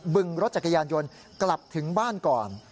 ดึงรถจักรยานยนต์กลับถึงบ้านก่อน